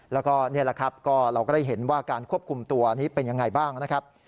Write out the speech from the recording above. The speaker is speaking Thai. แล้วก็นี่แหละครับก็เราก็ได้เห็นว่าการควบคุมตัวนี้เป็นยังไงบ้างนะครับ